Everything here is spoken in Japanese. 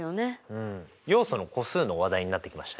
要素の個数の話題になってきましたね。